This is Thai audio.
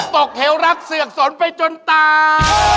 ปกเหลือรักเสือกสนไปจนตา